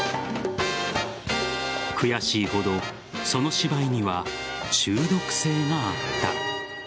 悔しいほど、その芝居には中毒性があった。